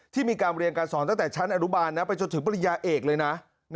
มีการเรียนการสอนตั้งแต่ชั้นอนุบาลไปจนถึงปริญญาเอกเลยนะ